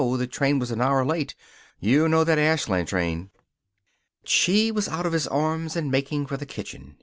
The train was an hour late. You know that Ashland train." But she was out of his arms and making for the kitchen.